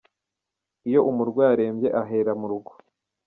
Iyo umurwayi arembye ahera mu rugo.